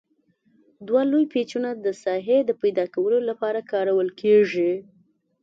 دوه لوی پیچونه د ساحې د پیداکولو لپاره کارول کیږي.